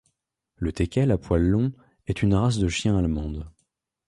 Le teckel à poil long est une race de chien allemande.